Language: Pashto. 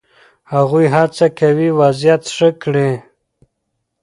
هغوی هڅه کوي وضعیت ښه کړي.